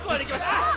あっ！